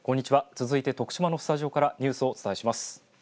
続いて徳島のスタジオからニュースをお伝えします。